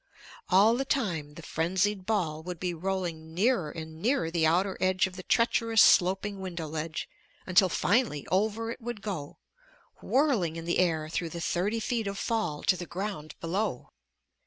All the time the frenzied ball would be rolling nearer and nearer the outer edge of the treacherous sloping window ledge, until finally over it would go, whirling in the air through the thirty feet of fall to the ground below.